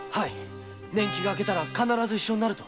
年期があけたら一緒になると。